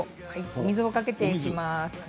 お水をかけていきます。